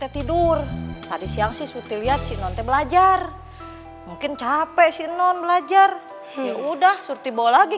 tidur tadi siang sih sutil ya cintai belajar mungkin capek sinon belajar udah suti bawa lagi